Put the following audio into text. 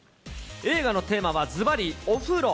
映画のテーマは、ずばりお風呂。